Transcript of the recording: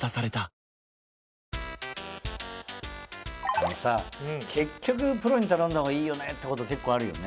あのさ結局プロに頼んだほうがいいよねってこと結構あるよね。